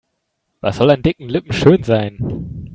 Was soll an dicken Lippen schön sein?